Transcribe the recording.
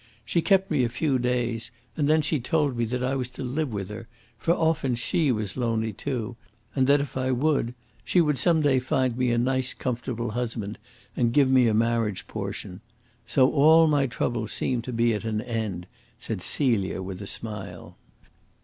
She kept me a few days, and then she told me that I was to live with her, for often she was lonely too, and that if I would she would some day find me a nice, comfortable husband and give me a marriage portion. So all my troubles seemed to be at an end," said Celia, with a smile.